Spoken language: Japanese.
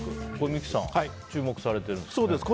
三木さん、注目されてるんですね。